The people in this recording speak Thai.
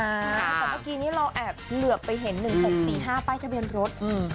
ใช่ค่ะแต่เมื่อกี้เราเหลือบไปเห็น๑เส้น๔๕ป้ายทะเบียนรถ